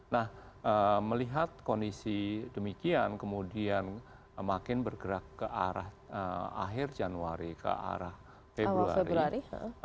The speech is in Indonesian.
nah melihat kondisi demikian kemudian makin bergerak ke arah akhir januari ke arah februari